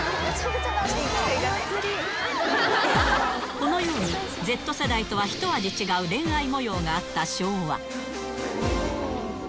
このようにＺ世代とはひと味違う恋愛もようがあった昭和。